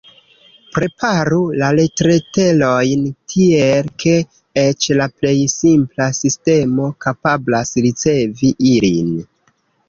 Preparu la retleterojn tiel, ke eĉ la plej simpla sistemo kapablas ricevi ilin.